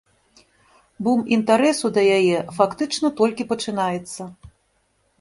Бум інтарэсу да яе фактычна толькі пачынаецца.